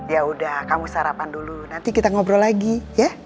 ya udah kamu sarapan dulu nanti kita ngobrol lagi ya